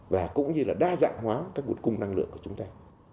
và cũng như là đa dạng hóa các nguồn cung năng lượng của chúng ta